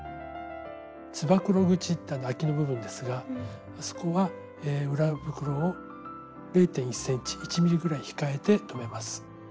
つばくろ口あきの部分ですがそこは裏袋を０．１ｃｍ１ｍｍぐらい控えて留めます。